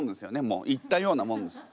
もう行ったようなもんです。